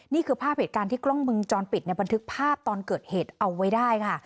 นี่คือภาพเหตุการณ์ที่กล้องมึงจรปิดในบันทึกภาพตอนเกิดเหตุเอาไว้ได้ค่ะ